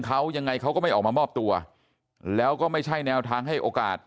เขายังไงเขาก็ไม่ออกมามอบตัวแล้วก็ไม่ใช่แนวทางให้โอกาส